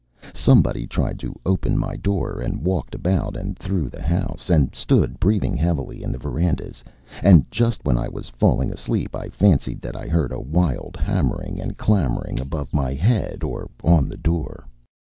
Somebody tried to open my door, and walked about and through the house, and stood breathing heavily in the verandas, and just when I was falling asleep I fancied that I heard a wild hammering and clamoring above my head or on the door.